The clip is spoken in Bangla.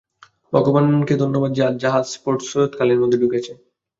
ভগবানকে ধন্যবাদ যে, আজ জাহাজ পোর্ট সৈয়দে খালের মধ্যে ঢুকেছে।